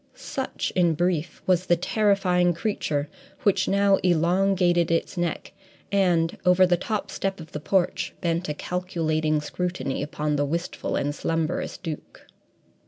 Such, in brief, was the terrifying creature which now elongated its neck, and, over the top step of the porch, bent a calculating scrutiny upon the wistful and slumberous Duke.